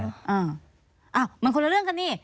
อ้าวมันคนละเรื่องกันนี่